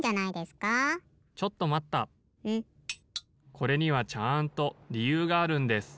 ・これにはちゃんとりゆうがあるんです。